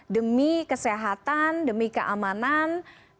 demi kesehatan demi keamanan